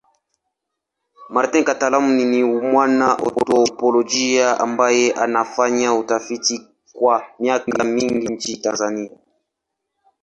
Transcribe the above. Martin kitaaluma ni mwana anthropolojia ambaye amefanya utafiti kwa miaka mingi nchini Tanzania.